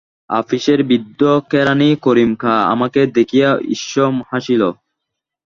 আপিসের বৃদ্ধ কেরানি করিম খাঁ আমাকে দেখিয়া ঈষৎ হাসিল।